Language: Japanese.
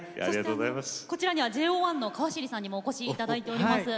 こちらにはＪＯ１の川尻さんにもお越しいただいております。